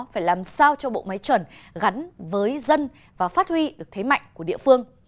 phải làm sao cho bộ máy chuẩn gắn với dân và phát huy được thế mạnh của địa phương